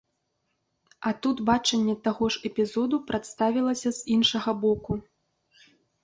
А тут бачанне таго ж эпізоду прадставілася з іншага боку.